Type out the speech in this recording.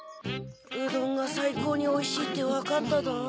うどんがさいこうにおいしいってわかったどん？